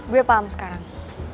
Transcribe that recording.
gue paham sekarang